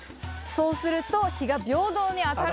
そうすると日が平等に当たる。